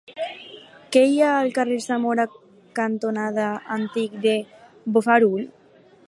Què hi ha al carrer Zamora cantonada Antic de Bofarull?